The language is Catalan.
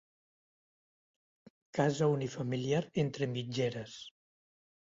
Casa unifamiliar entre mitgeres.